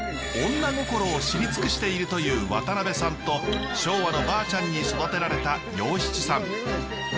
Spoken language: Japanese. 女心を知り尽くしているという渡辺さんと昭和のバアちゃんに育てられた洋七さん。